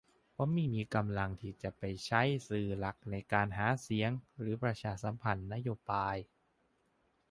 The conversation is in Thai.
เพราะไม่มีกำลังที่จะไปใช้สื่อหลักในการหาเสียง หรือ ประชาสัมพันธ์นโยบาย